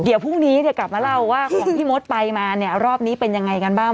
เดี๋ยวพรุ่งนี้เนี่ยกลับมาเล่าว่าของพี่มดไปมาเนี่ยรอบนี้เป็นยังไงกันบ้าง